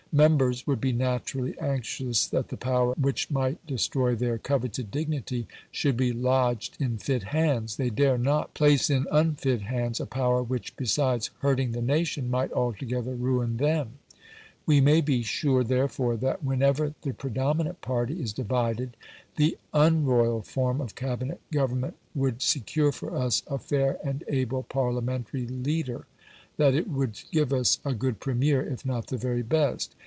Members would be naturally anxious that the power which might destroy their coveted dignity should be lodged in fit hands. They dare not place in unfit hands a power which, besides hurting the nation, might altogether ruin them. We may be sure, therefore, that whenever the predominant party is divided, the UN royal form of Cabinet government would secure for us a fair and able Parliamentary leader that it would give us a good Premier, if not the very best.